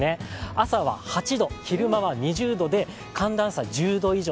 朝は８度、昼間は２０度で寒暖差１０度以上。